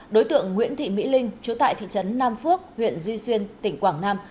đối tượng nguyễn thị mỹ linh chú tại thị trấn nam phước huyện duy xuyên tỉnh quảng nam